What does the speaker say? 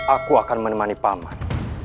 aku akan menemani pak man